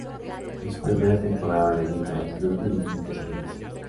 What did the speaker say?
En su primera temporada de vida el club milita en Tercera División.